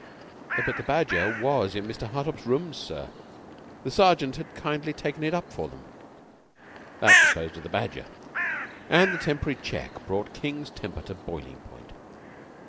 But the badger was in Mr. Hartopp's rooms, sir. The Sergeant had kindly taken it up for them. That disposed of the badger, and the temporary check brought King's temper to boiling point.